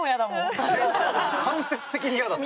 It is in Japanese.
間接的に嫌だった？